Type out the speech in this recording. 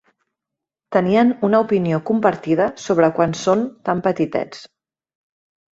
Teníem una opinió compartida sobre quan són tan petitets.